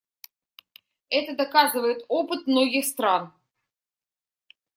Это доказывает опыт многих стран.